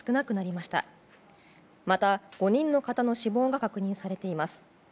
また、５人の方の死亡が確認されています。